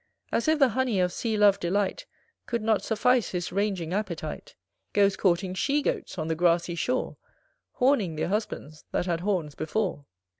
As if the honey of sea love delight Could not suffice his ranging appetite, Goes courting she goats on the grassy shore, Horning their husbands that had horns before.